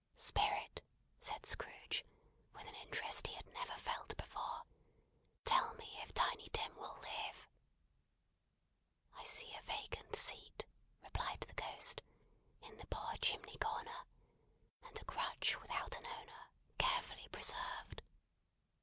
"Spirit," said Scrooge, with an interest he had never felt before, "tell me if Tiny Tim will live." "I see a vacant seat," replied the Ghost, "in the poor chimney corner, and a crutch without an owner, carefully preserved.